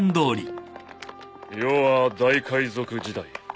世は大海賊時代。